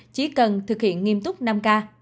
chỉ cần thực hiện nghiệm covid một mươi chín